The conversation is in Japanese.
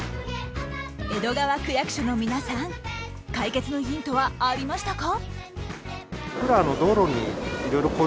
江戸川区役所の皆さん解決のヒントはありましたか？